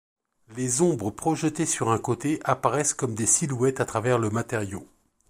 Les ombres projetées sur un côté apparaissent comme des silhouettes à travers le matériau.